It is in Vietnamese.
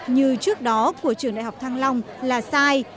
như trước đó của trường đại học thăng long là sai